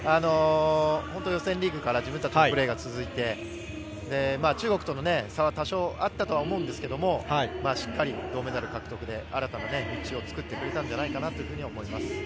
予選リーグから自分たちのプレーが続いて中国との差は多少あったと思うんですがしっかり銅メダル獲得で新たな道を作ってくれたんじゃないかと思います。